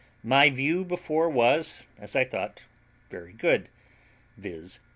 My view before was, as I thought, very good, viz.